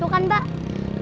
tuh kan mbak